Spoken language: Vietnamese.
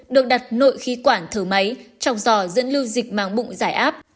được đặt nội khí quản thở máy trọng giò dẫn lưu dịch mang bụng giải áp